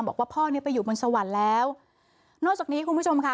บอกว่าพ่อเนี้ยไปอยู่บนสวรรค์แล้วนอกจากนี้คุณผู้ชมค่ะ